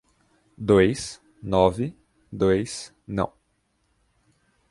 Dois, nove, dois, não.